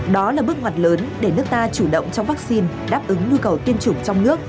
đó là bước ngoặt lớn để nước ta chủ động trong vaccine đáp ứng nhu cầu tiêm chủng trong nước